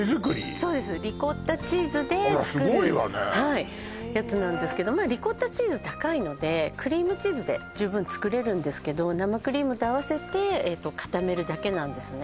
そうですリコッタチーズで作るあらすごいわねやつなんですけどリコッタチーズ高いのでクリームチーズで十分作れるんですけど生クリームと合わせて固めるだけなんですね